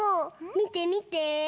みてみて。